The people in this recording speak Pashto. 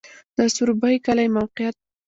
د سروبی کلی موقعیت